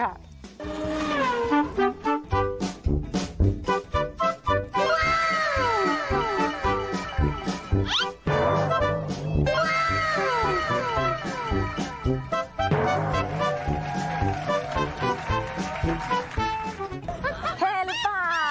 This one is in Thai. แทรกรึเปล่า